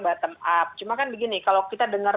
bottom up cuma kan begini kalau kita dengar